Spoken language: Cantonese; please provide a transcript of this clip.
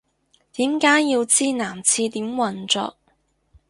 點解要知男廁點運作